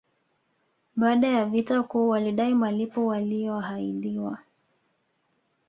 Baada ya vita kuu walidai malipo waliyoahidiwa